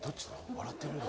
笑ってるよ。